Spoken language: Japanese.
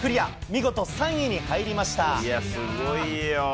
見事３位に入りました。